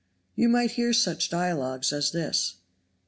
You might hear such dialogues as this: No.